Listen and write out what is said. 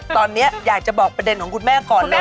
ตอนนี้อยากจะบอกประเด็นของคุณแม่ก่อนเลย